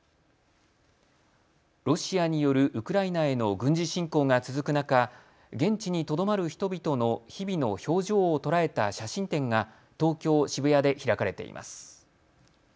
ロシアによるウクライナへの軍事侵攻が続く中、現地にとどまる人々の日々の表情を捉えた写真展が東京渋谷で開かれています。